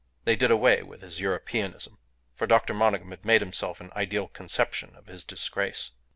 They did away with his Europeanism; for Dr. Monygham had made himself an ideal conception of his disgrace.